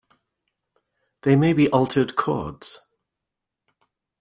They may be altered chords.